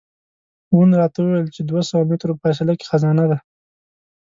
وون راته وویل چې دوه سوه مترو په فاصله کې خزانه ده.